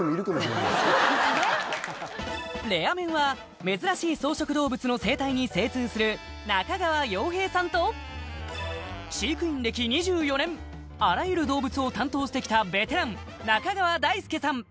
レア面は珍しい草食動物の生態に精通する中川洋平さんと飼育員歴２４年あらゆる動物を担当してきたベテラン中川大輔さん